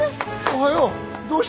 おはよう。